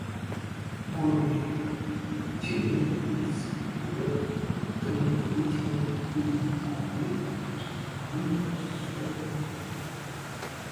Nowadays, Duino is a predominantly Italian-speaking town, with a numerous Slovene-speaking minority.